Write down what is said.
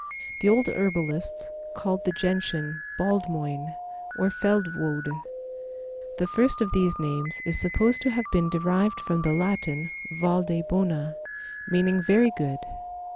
The old herbalists called the Gentian Baldmoyne, or Feldwode. The first of these names is supposed to have been derived from the Latin valde bona, meaning very good.